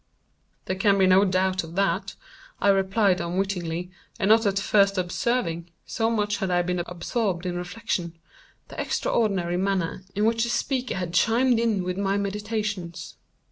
"There can be no doubt of that," I replied unwittingly, and not at first observing (so much had I been absorbed in reflection) the extraordinary manner in which the speaker had chimed in with my meditations.